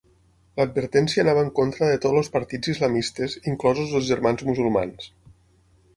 L'advertència anava en contra de tots els partits islamistes inclosos els Germans Musulmans.